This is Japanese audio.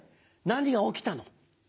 何が起きたの？